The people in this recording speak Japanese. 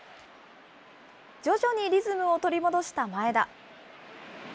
徐々にリズムを取り戻した前田。